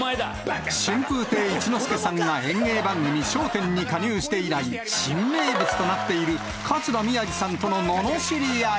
春風亭一之輔さんが、演芸番組、笑点に加入して以来、新名物となっている桂宮治さんとのののしり合い。